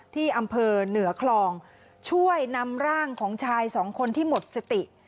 ที่อำเภอเหนือคลองช่วยนำร่างของชายสองคนที่หมดสติ